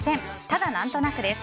ただ、何となくです。